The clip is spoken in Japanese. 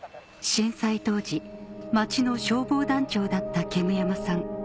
震災当時町の消防団長だった煙山さん